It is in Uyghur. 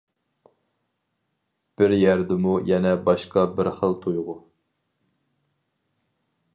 بىر يەردىمۇ يەنە باشقا بىر خىل تۇيغۇ.